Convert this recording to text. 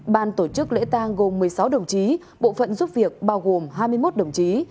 ban tổ chức lễ tăng gồm một mươi sáu đồng chí bộ phận giúp việc bao gồm hai mươi một đồng chí